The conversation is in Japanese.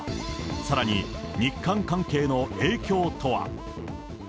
さらに日韓関係の影響とは。